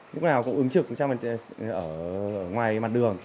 lúc nào cũng ứng trực ở ngoài mặt đường